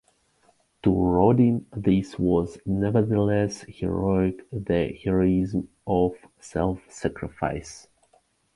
To Rodin, this was nevertheless heroic, the heroism of self-sacrifice.